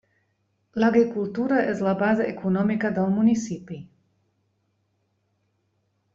L'agricultura és la base econòmica del municipi.